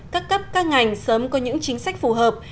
các cấp các ngành sớm có những chính sách phù hợp